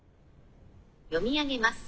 「読み上げます。